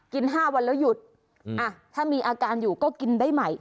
๕วันแล้วหยุดถ้ามีอาการอยู่ก็กินได้ใหม่